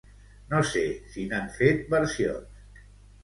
No sé si n'han fet versions.